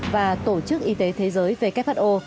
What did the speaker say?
và tổ chức y tế thế giới who